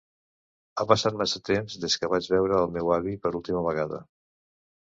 Ha passat massa temps des que vaig veure el meu avi per última vegada.